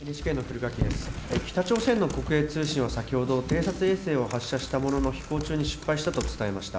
北朝鮮の国営通信は先ほど、偵察衛星を発射したものの、飛行中に失敗したと伝えました。